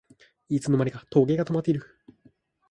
いつの間にか時計が止まってる